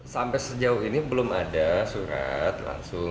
sampai sejauh ini belum ada surat langsung